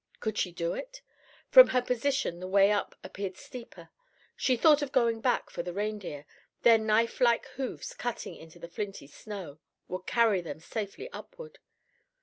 Could she do it? From her position the way up appeared steeper. She thought of going back for the reindeer. Their knife like hoofs, cutting into the flinty snow, would carry them safely upward.